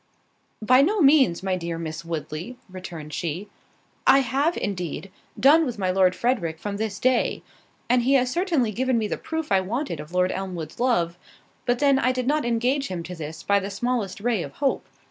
"By no means, my dear Miss Woodley," returned she—"I have, indeed, done with my Lord Frederick from this day; and he has certainly given me the proof I wanted of Lord Elmwood's love; but then I did not engage him to this by the smallest ray of hope.